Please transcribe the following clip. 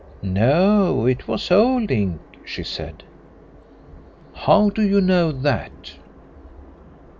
"No, it was old ink," she said. "How do you know that?"